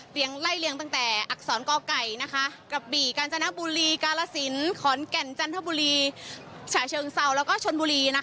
ไล่เลี้ยงตั้งแต่อักษรกไก่กระบี่กาญจนบุรีกาลสินขอนแก่นจันทบุรีฉะเชิงเซาแล้วก็ชนบุรี